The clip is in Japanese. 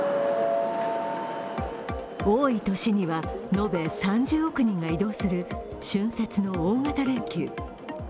多い年には延べ３０億人が移動する春節の大型連休。